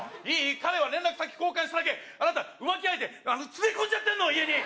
彼は連絡先交換しただけあなた浮気相手連れ込んじゃってんの家に！